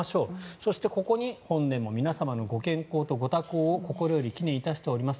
そして、ここに本年も皆様のご健康とご多幸を心より祈念いたしております。